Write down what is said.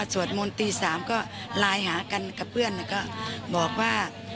สวดมนต์ตี๓ก็ไลน์หากันกับเพื่อนก็บอกว่า